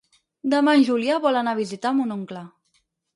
Demà en Julià vol anar a visitar mon oncle.